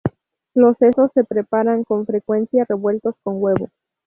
Los sesos se preparan con frecuencia revueltos con huevo.